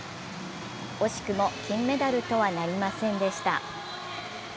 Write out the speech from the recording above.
惜しくも金メダルとはなりませんでした。